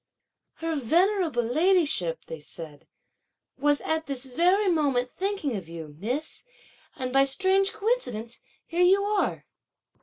"Her venerable ladyship," they said, "was at this very moment thinking of you, miss, and, by a strange coincidence, here you are."